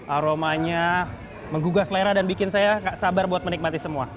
aromanya menggugah selera dan bikin saya gak sabar buat menikmati semua